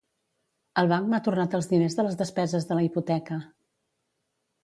El banc m'ha tornat els diners de les despeses de la hipoteca